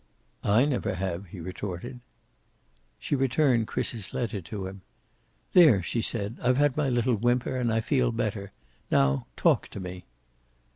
"I never have," he retorted. She returned Chris's letter to him. "There," she said. "I've had my little whimper, and I feel better. Now talk to me."